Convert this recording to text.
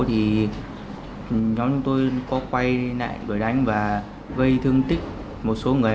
thì nhóm chúng tôi có quay lại đuổi đánh và gây thương tích một số người